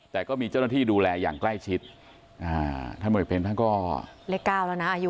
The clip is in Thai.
แต่ก็มีเจ้าหน้าที่ดูแลอย่างใกล้ชิดอ่าท่านพลเอกเพลมท่านก็เล็กเก้าแล้วน่ะอายุอ่ะ